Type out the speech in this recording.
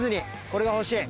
これが欲しい。